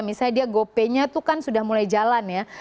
misalnya dia gopay nya itu kan sudah mulai jalan ya